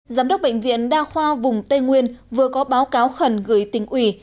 giám đốc bệnh viện đa khoa vùng tây nguyên vừa có báo cáo khẩn gửi tỉnh ủy